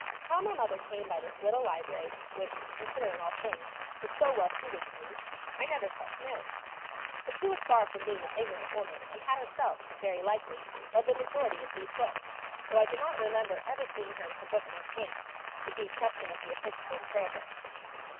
How my mother came by this little library which, considering all things, was so well suited to me I never sought to know. But she was far from being an ignorant woman and had herself, very likely, read the majority of these books, though I do not remember ever seeing her with a book in her hand, with the exception of the Episcopal Prayer book.